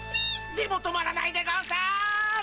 でも止まらないでゴンス。